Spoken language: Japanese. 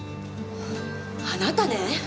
あなたね！